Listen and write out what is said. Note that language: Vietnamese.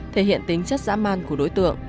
thể hiện tính chất dã man của đối tượng